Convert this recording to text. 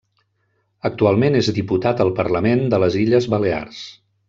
Actualment és Diputat al Parlament de les Illes Balears.